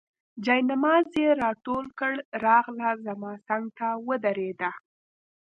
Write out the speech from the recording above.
جاینماز یې راټول کړ، راغله زما څنګ ته ودرېده.